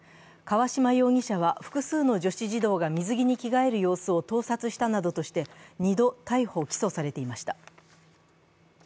河嶌容疑者は、複数の女子児童が水着に着替える様子を盗撮したなどとして２度、逮捕・起訴されていました。